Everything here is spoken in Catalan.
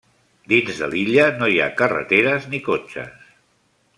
Dins de l'illa no hi ha carreteres ni cotxes.